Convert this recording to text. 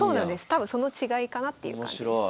多分その違いかなっていう感じです。